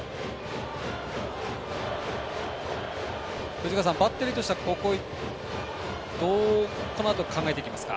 藤川さん、バッテリーとしてはこのあとどう考えていきますか？